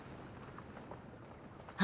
あ！